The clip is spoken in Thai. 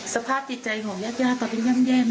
สภาพจิตใจของหยากยากต่อไปแย่ไหม